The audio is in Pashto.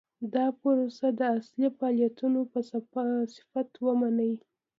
دا پروسه د اصلي فعالیتونو په صفت ومني.